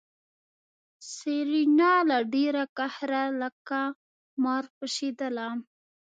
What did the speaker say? سېرېنا له ډېره قهره لکه مار پشېدله.